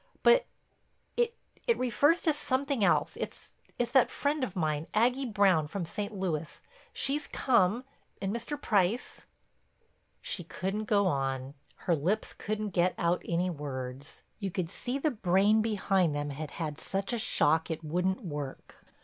But it—it refers to something else—it's—it's—that friend of mine—Aggie Brown from St. Louis—she's come and Mr. Price—" She couldn't go on; her lips couldn't get out any words. You could see the brain behind them had had such a shock it wouldn't work.